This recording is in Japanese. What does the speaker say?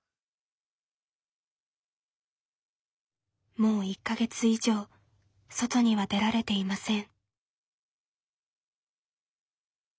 もう１か月以上外には出られていません。